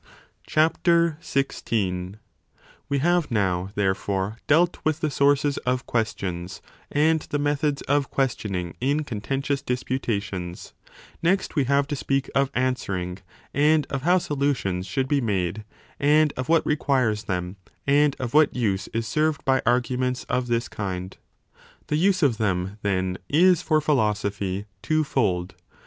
40 16 We have now therefore dealt with the sources of questions, 175* and the methods of questioning in contentious disputations : next we have to speak of answering, and of how solutions should be made, and of what requires them, and of what use is served by arguments of this kind. The use of them, then, is, for philosophy, two fold.